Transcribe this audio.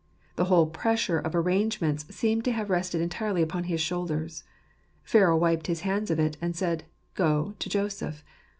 The whole pressure of arrangements seems to have rested entirely upon his shoulders. Pharaoh wiped his hands of it, and said, Go to Joseph.